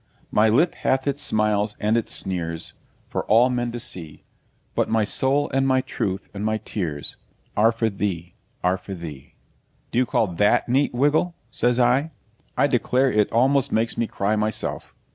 My lip hath its smiles and its sneers, For all men to see; But my soul, and my truth, and my tears, Are for thee, are for thee!' 'Do you call THAT neat, Wiggle?' says I. 'I declare it almost makes me cry myself.'